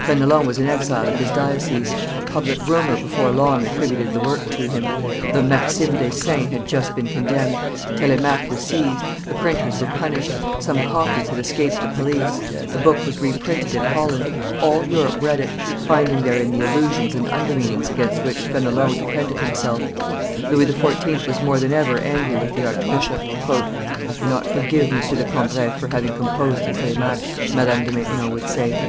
Fenelon was in exile at his diocese; public rumor before long attributed the work to him; the Maximes des Saints had just been condemned, Telemaque was seized, the printers were punished; some copies had escaped the police; the book was reprinted in Holland; all Europe read it, finding therein the allusions and undermeanings against which Fenelon defended himself. Louis XIV. was more than ever angry with the archbishop. "I cannot forgive M. de Cambrai for having composed the Telemaque," Madame de Maintenon would say.